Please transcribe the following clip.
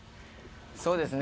そうですね。